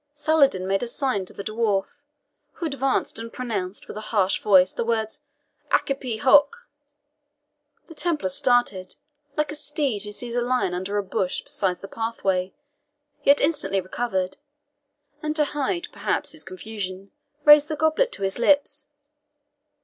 Saladin made a sign to the dwarf, who advanced and pronounced, with a harsh voice, the words, ACCIPE HOC! The Templar started, like a steed who sees a lion under a bush beside the pathway; yet instantly recovered, and to hide, perhaps, his confusion, raised the goblet to his lips.